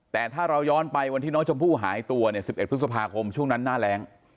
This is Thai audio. แต่ถ้าเราย้อนไปวันที่น้องชมพู่หายตัวเนี่ย๑๑พฤษภาคมช่วงนั้นหน้าแรง